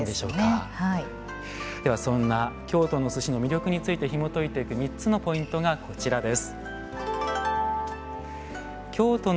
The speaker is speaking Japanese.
ではそんな京都の寿司の魅力についてひもといていく３つのポイントがこちらです。